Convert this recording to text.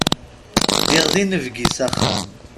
Ddiɣ d inebgi s axxam.